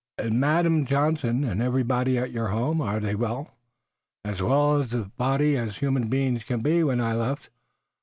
"And Madam Johnson, and everybody at your home? Are they well?" "As well of body as human beings can be when I left.